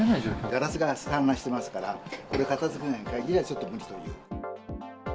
ガラスが散乱していますから、これ片づけないかぎりはちょっと無理という。